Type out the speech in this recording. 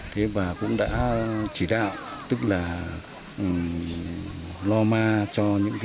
thế bà cũng đã chỉ đạo tức là lo ma cho những người